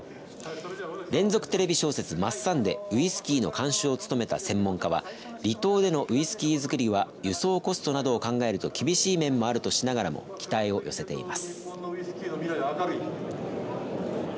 連続テレビ小説マッサンで、ウイスキーの監修を務めた専門家は離島でのウイスキー造りは輸送コストなどを考えると厳しい面もあるとしながらも期待を寄せています。